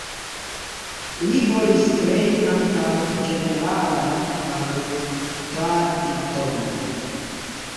Li volis krei ankaŭ ĝeneralan balotrajton.